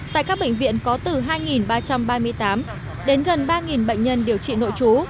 tại các bệnh viện có từ hai ba trăm ba mươi tám đến gần ba bệnh nhân điều trị nội trú